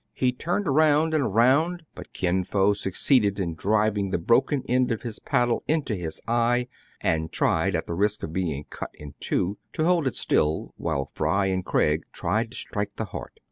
He turned round and round ; but Kin Fo succeeded in driving the broken end of his paddle into his eye, and tried, at the risk of being cut in two, to hold it still while Fry and Craig tried to strike the heart.